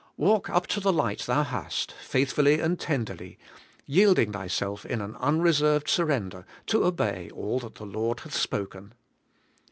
Walk up to the light thou hast faithfully and ten derly, yielding thyself in an unreserved surrender to obey all that the Lord hath spoken.